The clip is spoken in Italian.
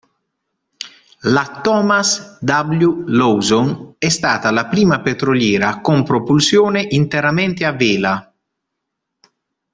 La "Thomas W. Lawson" è stata la prima petroliera con propulsione interamente a vela.